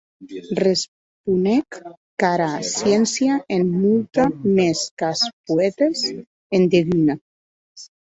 Responec qu'ara sciéncia en molta; mès qu'as poètes en deguna.